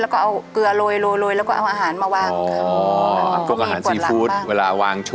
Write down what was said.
แล้วก็เอาเกลือโรยเอาอาหารมาวาง